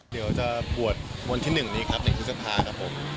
เดี๋ยวจะบวชวนที่๑ในกุศภาพรันดาลกรมกัน